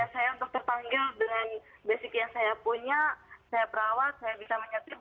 saya untuk terpanggil dengan basic yang saya punya saya perawat saya bisa menyetir